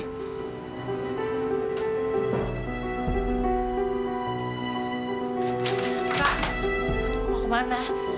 kak mau kemana